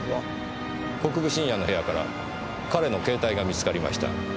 国分信也の部屋から彼の携帯が見つかりました。